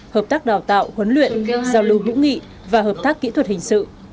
hợp tác đào tạo huấn luyện giao lưu hữu nghị và hợp tác kỹ thuật hình sự